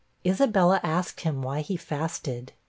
Isabella asked him why he fasted.